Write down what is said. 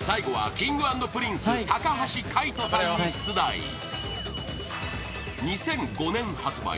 最後はＫｉｎｇ＆Ｐｒｉｎｃｅ高橋海人さんに出題２００５年発売